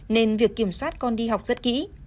nên việc kiểm soát con đi học rất kỹ